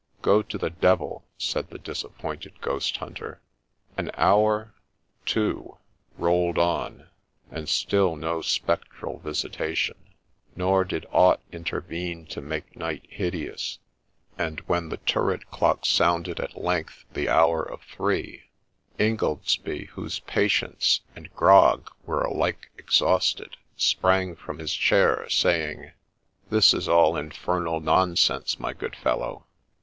1 Go to the d — 1 !' said the disappointed ghost hunter. An hour — two — rolled on, and still no spectral visitation ; nor did aught intervene to make night hideous ; and when the turret clock sounded at length the hour of three, Ingoldsby, whose patience and grog were alike exhausted, sprang from his chair, saying —' This is all infernal nonsense, my good fellow.